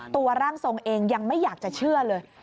ร่างทรงเองยังไม่อยากจะเชื่อเลย